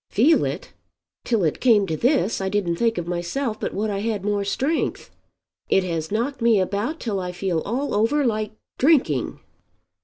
"Feel it! Till it came to this I didn't think of myself but what I had more strength. It has knocked me about till I feel all over like drinking."